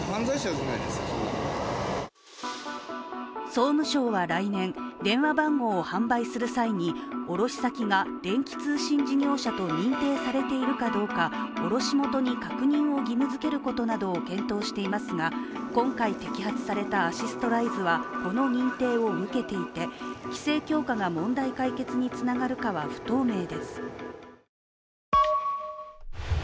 総務省は来年、電話番号を販売する際に、卸し先が電気通信事業者と認定されているかどうか卸元に確認を義務づけることなどを検討していますが今回摘発されたアシストライズはこの認定を受けていて、規制強化が問題解決につながるかは不透明です。